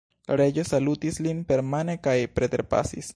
La Reĝo salutis lin permane kaj preterpasis.